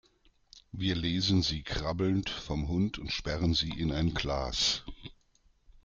Wir lesen sie krabbelnd vom Hund und sperren sie in ein Glas.